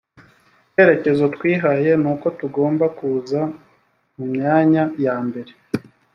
icyerekezo twihaye nuko tugomba kuza mu myanya ya mbere